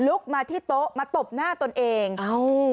มาที่โต๊ะมาตบหน้าตนเองอ้าว